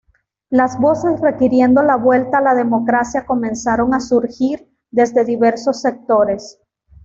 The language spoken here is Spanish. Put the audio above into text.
Las voces requiriendo la vuelta a la democracia comenzaron a surgir desde diversos sectores.